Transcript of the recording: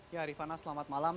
ya arifana selamat malam